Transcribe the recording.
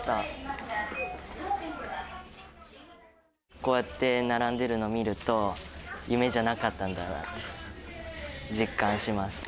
こうやって並んでいるのを見ると、夢じゃなかったんだなって実感します。